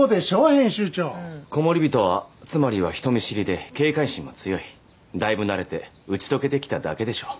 編集長うんコモリビトはつまりは人見知りで警戒心も強いだいぶ慣れて打ち解けてきただけでしょう